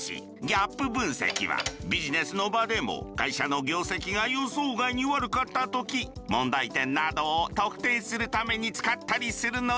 ギャップ分析はビジネスの場でも会社の業績が予想外に悪かった時問題点などを特定するために使ったりするのじゃ！